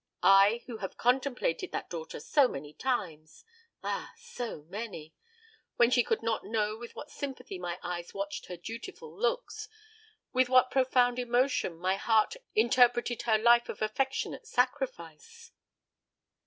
I, who have contemplated that daughter so many times ah, so many! when she could not know with what sympathy my eyes watched her dutiful looks, with what profound emotion my heart interpreted her life of affectionate sacrifice."